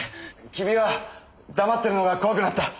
君は黙ってるのが怖くなった。